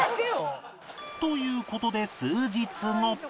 という事で数日後